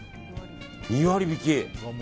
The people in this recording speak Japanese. ２割引き。